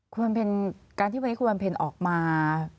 คุณบันเพลินการที่วันนี้คุณบันเพลินออกมา